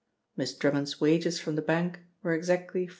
Miss Drummond's wages from the bank were exactly £4 a week.